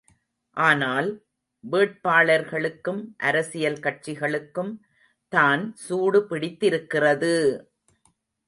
ஆனால், வேட்பாளர்களுக்கும் அரசியல் கட்சிகளுக்கும் தான் சூடு பிடித்திருக்கிறது!